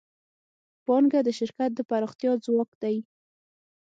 پانګه د شرکت د پراختیا ځواک دی.